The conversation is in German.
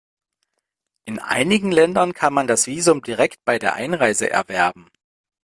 In einigen Ländern kann man das Visum direkt bei der Einreise erwerben.